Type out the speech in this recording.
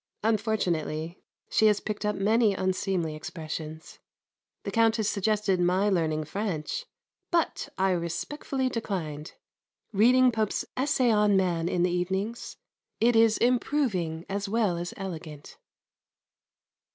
Unfortunately, she has picked up many unseemly expressions. The Countess suggested my learning French, but I respectfully declined. Reading Pope's Essay on Man in the evenings. It is improving as well as elegant.